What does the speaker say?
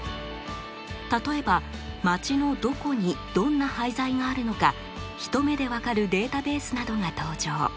例えば町のどこにどんな廃材があるのか一目で分かるデータベースなどが登場。